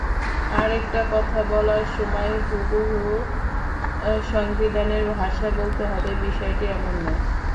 আরেকটা কথা, বলার সময় হুবহু সংবিধানের ভাষায় বলতে হবে বিষয়টি এমন নয়।